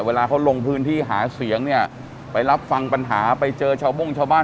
เวลาเขาลงพื้นที่หาเสียงเนี่ยไปรับฟังปัญหาไปเจอชาวบ้งชาวบ้าน